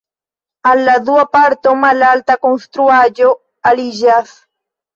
Al la dua parto malalta konstruaĵo aliĝas.